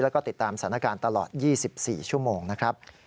แล้วก็ติดตามสถานการณ์ตลอด๒๔ชั่วโมงนะครับ